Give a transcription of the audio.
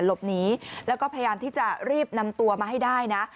หลบหนีแล้วก็พยายามที่จะรีบนำตัวมาให้ได้นะ